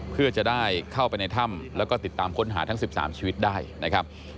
เพื่อจะได้เข้าไปในถ้ำแล้วก็ติดตามค้นหาทั้ง๑๓ชีวิตได้นะครับ